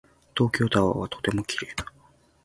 東京タワーはとても綺麗だ。